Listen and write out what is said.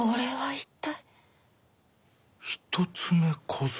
一つ目小僧。